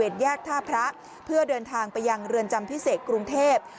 แยกท่าพระเพื่อเดินทางไปยังเรือนจำพิเศษกรุงเทพ